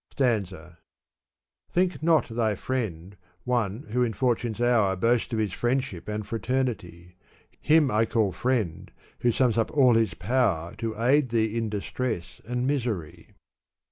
S/anza, Think not thy friend one who in fortune's hour Boasts of his friendship and fraternity. Him I call friend who sums up all his power To aid thee in distress and misery."